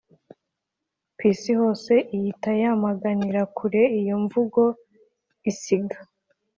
ku isi hose ihita yamaganira kure iyo mvugo isiga